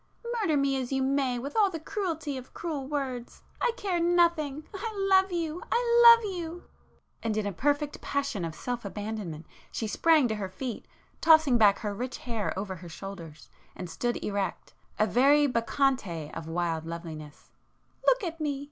Murder me as you may with all the cruelty of cruel words, I care nothing!—I love you—love you!"—and in a perfect passion of self abandonment she sprang to her feet, tossing back her rich hair over her shoulders, and stood erect, a very bacchante of wild loveliness—"Look at me!